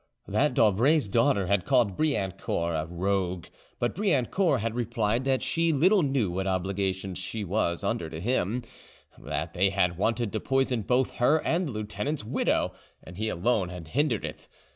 That d'Aubray's daughter had called Briancourt a rogue, but Briancourt had replied that she little knew what obligations she was under to him; that they had wanted to poison both her and the lieutenant's widow, and he alone had hindered it.